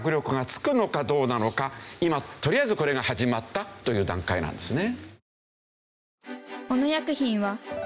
今とりあえずこれが始まったという段階なんですね。